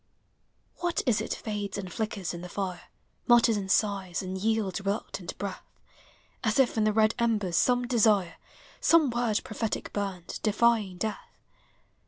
What is it fades and flickers in the fire, Mutters and sighs, and yields reluctant breath, As if in the red embers some desire, Some word prophetic burned, defying death?